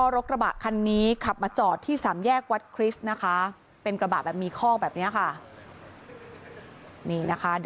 รถกระบะคันนี้ขับมาจอดที่สามแยกวัดคริสต์นะคะเป็นกระบะแบบมีข้อแบบนี้ค่ะ